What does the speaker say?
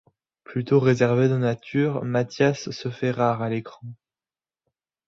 Plutôt réservé de nature, Mathias se fait rare à l'écran.